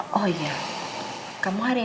saya lebih baik